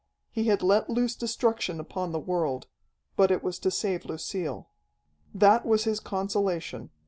He had let loose destruction upon the world. But it was to save Lucille. That was his consolation.